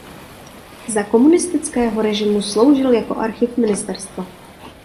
Za komunistického režimu sloužil jako archiv ministerstva.